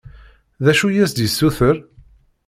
D acu i as-d-yessuter?